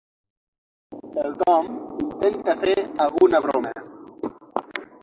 El Tom intenta fer alguna broma.